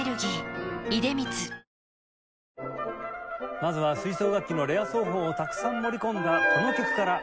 まずは吹奏楽器のレア奏法をたくさん盛り込んだこの曲から。